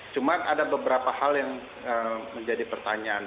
cuma ada beberapa hal yang menjadi pertanyaan